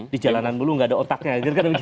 di jalanan melulu enggak ada otaknya